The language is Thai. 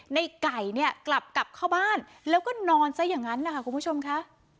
ในไก่เนี่ยกลับกลับเข้าบ้านแล้วก็นอนซะอย่างนั้นนะคะคุณผู้ชมค่ะ